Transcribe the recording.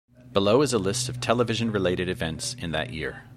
Below is a list of television-related events in that year.